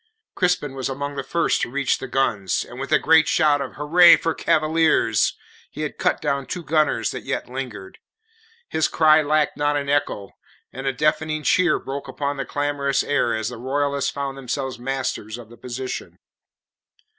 Crispin was among the first to reach the guns, and with a great shout of "Hurrah for Cavaliers!" he had cut down two gunners that yet lingered. His cry lacked not an echo, and a deafening cheer broke upon the clamorous air as the Royalists found themselves masters of the position.